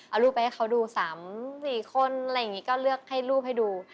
เอารูปไปให้เขาดู๓๔คนอะไรอย่างนี้ก็เลือกให้รูปให้ดู